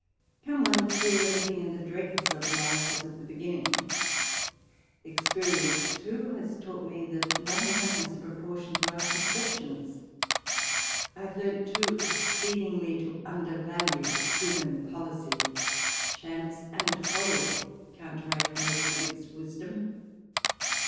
Can one fear anything in the dregs of life as at the beginning? Ex}>orience, too, has taught me walpole's letters. lf>7 that nothing happens in proportion to our con ceptions. I have learnt, too, exceedingly to undervalue human policy. Chance and folly counteract most of its wisdom.